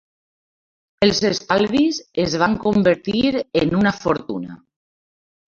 Els estalvis es van convertir en una fortuna.